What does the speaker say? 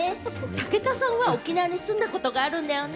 武田さんは沖縄に住んだことがあるんだよね？